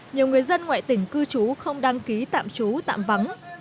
nhiều người dân ngoại tỉnh cư trú không đăng ký tạm trú tạm vắng